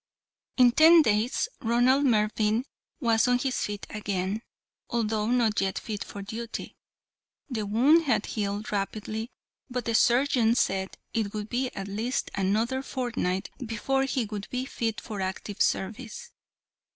In ten days Ronald Mervyn was on his feet again, although not yet fit for duty; the wound had healed rapidly, but the surgeon said it would be at least another fortnight before he would be fit for active service.